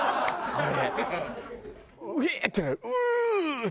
あれ。